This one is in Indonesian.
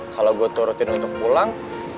kalau gue turutin untuk pulang